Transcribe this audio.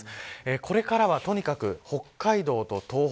これからはとにかく北海道と東北